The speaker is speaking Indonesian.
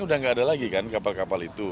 udah nggak ada lagi kan kapal kapal itu